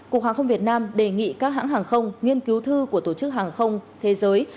cục hàng không việt nam đề nghị các hãng hàng không nghiên cứu thư của tổ chức hàng không thế giới